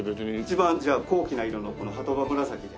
一番じゃあ高貴な色のこの鳩羽紫で。